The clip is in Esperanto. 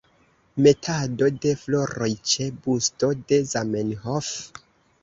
Metado de floroj ĉe busto de Zamenhof.